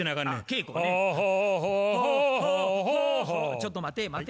ちょっと待て待て。